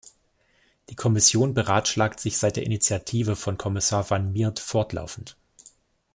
Die Kommission beratschlagt sich seit der Initiative von Kommissar Van Miert fortlaufend.